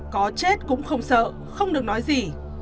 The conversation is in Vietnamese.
có chết cũng không sợ không được nói gì